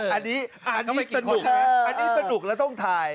อันนี้สนุกแล้วต้องทาย